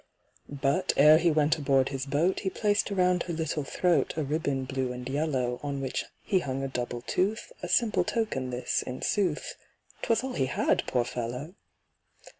But ere he went aboard his boat, He placed around her little throat A ribbon, blue and yellow, On which he hung a double tooth— A simple token this, in sooth— 'Twas all he had, poor fellow!